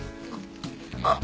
あっ！